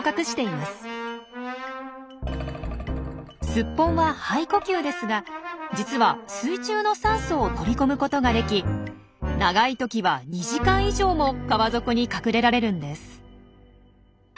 スッポンは肺呼吸ですが実は水中の酸素を取り込むことができ長いときは２時間以上も川底に隠れられるんです。